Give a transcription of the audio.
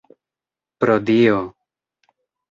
Pro Dio!